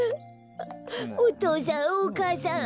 お父さんお母さん